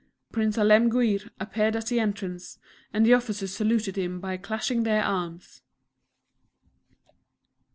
Prince Alemguir appeared at the entrance, and the officers saluted him by clashing their arms.